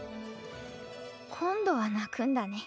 今度は泣くんだね。